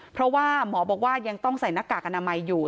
เพราะว่าหมอบอกว่ายังต้องใส่หน้ากากอนามัยอยู่